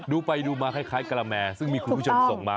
ดูไปดูมาคล้ายกะละแมซึ่งมีคุณผู้ชมส่งมา